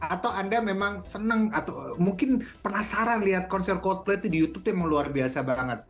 atau anda memang senang atau mungkin penasaran lihat konser coldplay itu di youtube memang luar biasa banget